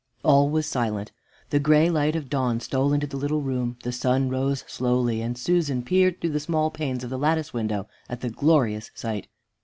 All was silent. The gray light of dawn stole into the little room; the sun rose slowly, and Susan peered through the small panes of the lattice window at the glorious sight.